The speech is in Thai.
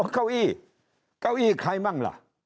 เก้าอี้เก้าอี้ใครมั่งล่ะ